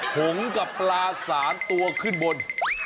ผงกับปลา๓ตัวขึ้นบน